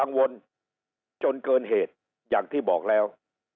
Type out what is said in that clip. วนจนเกินเหตุอย่างที่บอกแล้ว